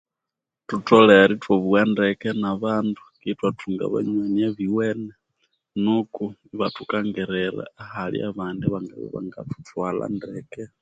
Thutholere ithwabugha ndeke nabandu ithwathunga abanywani abilwene nuku ibathukakingirira ahali abandi abangathuthwala ahali abandi abali ndeke